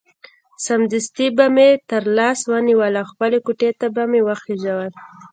سمدستي به مې تر لاس ونیول او خپلې کوټې ته به مې وخېژول.